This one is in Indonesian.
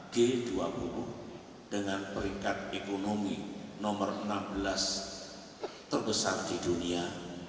g dua puluh dengan peringkat ekonomi nomor enam belas terbesar di dunia